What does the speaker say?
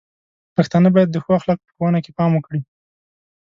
پښتانه بايد د ښو اخلاقو په ښوونه کې پام وکړي.